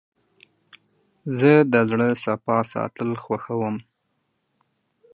زه د زړه صفا ساتل خوښوم.